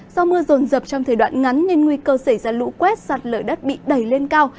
do mưa rồn rập trong thời đoạn ngắn nên nguy cơ xảy ra lũ quét sạt lở đất bị đẩy lên cao